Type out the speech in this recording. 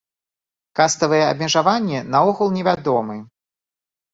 Каставыя абмежаванні наогул не вядомы.